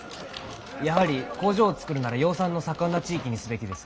やはり工場を造るなら養蚕の盛んな地域にすべきです。